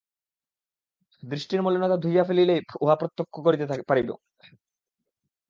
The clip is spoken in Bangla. দৃষ্টির মলিনতা ধুইয়া ফেলিলেই উহা প্রত্যক্ষ করিতে পারিব।